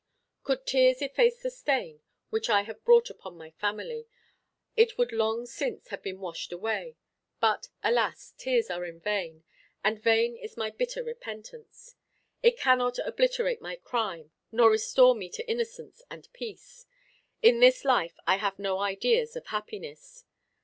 Could tears efface the stain which I have brought upon my family, it would long since have been washed away; but, alas! tears are in vain; and vain is my bitter repentance; it cannot obliterate my crime, nor restore me to innocence and peace. In this life I have no ideas of happiness.